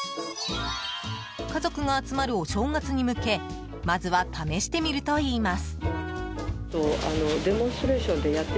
家族が集まるお正月に向けまずは試してみるといいます。